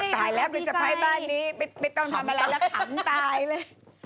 ตายแล้วเป็นสะพ้ายบ้านนี้ไม่ต้องทำอะไรแล้วขำตายเลย